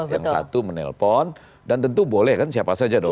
yang satu menelpon dan tentu boleh kan siapa saja dong